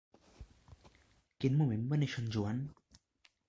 Quin moment va néixer en Joan?